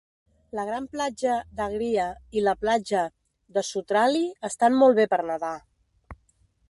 La gran platja d'Agria i la platja de Soutrali estan molt bé per nedar.